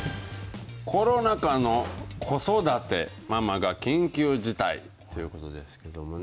コロナ禍の孤育て、ママが緊急事態ということですけれどもね。